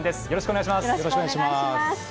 よろしくお願いします。